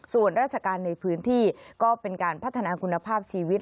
ส่วนราชการในพื้นที่ก็เป็นการพัฒนาคุณภาพชีวิต